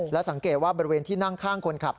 และสังเกตว่าบริเวณที่นั่งข้างคนขับ